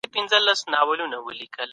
مديريت يو لوی مسووليت دی.